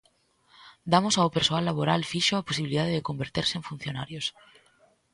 Damos ao persoal laboral fixo a posibilidade de converterse en funcionarios.